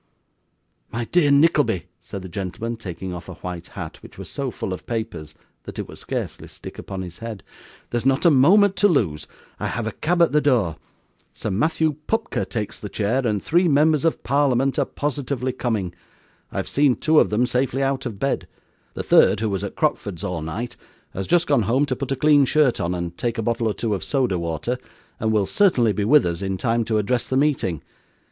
'My dear Nickleby,' said the gentleman, taking off a white hat which was so full of papers that it would scarcely stick upon his head, 'there's not a moment to lose; I have a cab at the door. Sir Matthew Pupker takes the chair, and three members of Parliament are positively coming. I have seen two of them safely out of bed. The third, who was at Crockford's all night, has just gone home to put a clean shirt on, and take a bottle or two of soda water, and will certainly be with us, in time to address the meeting.